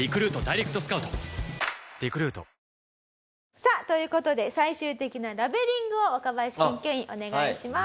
さあという事で最終的なラベリングを若林研究員お願いします。